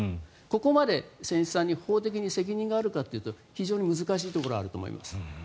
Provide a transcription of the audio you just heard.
ここまで船主さんに法的に責任があるというと非常に難しいところがあると思います。